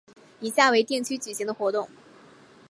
以下为定期举行的活动